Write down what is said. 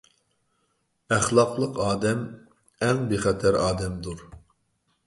ئەخلاقلىق ئادەم ئەڭ بىخەتەر ئادەمدۇر.